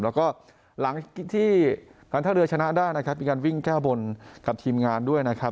แล้วก็หลังที่การท่าเรือชนะได้นะครับมีการวิ่งแก้บนกับทีมงานด้วยนะครับ